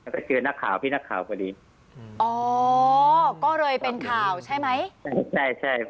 แล้วก็เจอนักข่าวพี่นักข่าวพอดีอ๋อก็เลยเป็นข่าวใช่ไหมใช่ใช่